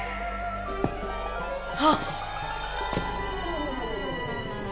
あっ！